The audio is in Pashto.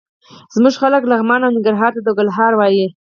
زموږ خلک لغمان او ننګرهار ته د ګل هار وايي.